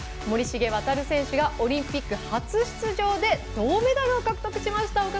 森重航選手がオリンピック初出場で銅メダルを獲得しました。